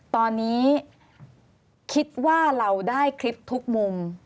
ตอนนี้คิดว่าเราได้คลิปทุกมุม